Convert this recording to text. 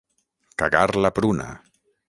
Cagar la pruna.